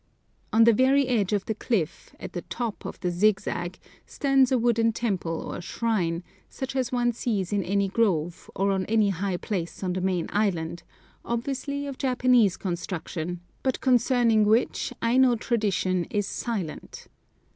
On the very edge of the cliff, at the top of the zigzag, stands a wooden temple or shrine, such as one sees in any grove, or on any high place on the main island, obviously of Japanese construction, but concerning which Aino tradition is silent.